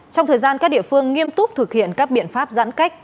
trong thời gian các địa phương nghiêm túc thực hiện các biện pháp giãn cách